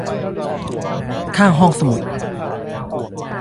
ข้างห้องสมุด